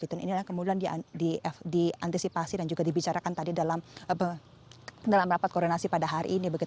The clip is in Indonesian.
dan kemudian diantisipasi dan juga dibicarakan tadi dalam rapat koordinasi pada hari ini